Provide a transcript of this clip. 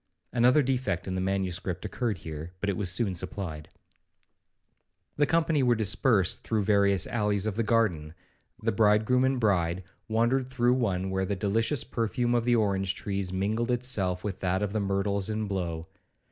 (Another defect in the manuscript occurred here, but it was soon supplied). 'The company were dispersed through various alleys of the garden; the bridegroom and bride wandered through one where the delicious perfume of the orange trees mingled itself with that of the myrtles in blow.